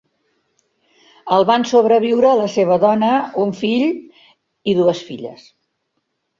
El van sobreviure la seva dona, un fill i dues fills.